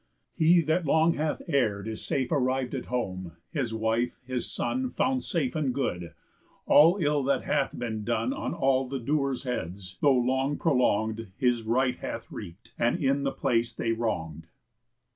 He that long hath err'd Is safe arriv'd at home; his wife, his son, Found safe and good; all ill that hath been done On all the doers' heads, though long prolong'd, His right hath wreak'd, and in the place they wrong'd."